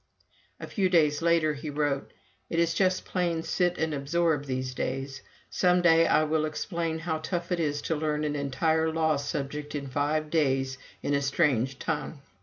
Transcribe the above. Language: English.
A few days later he wrote: "It is just plain sit and absorb these days. Some day I will explain how tough it is to learn an entire law subject in five days in a strange tongue."